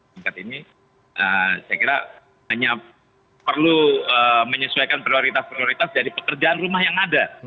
saya kira hanya perlu menyesuaikan prioritas prioritas dari pekerjaan rumah yang ada